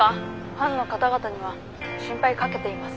ファンの方々には心配かけています。